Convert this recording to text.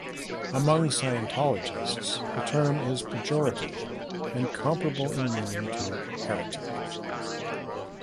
Among Scientologists, the term is pejorative, and comparable in meaning to "heretic".